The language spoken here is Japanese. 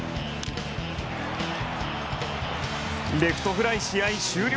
レフトフライ、試合終了！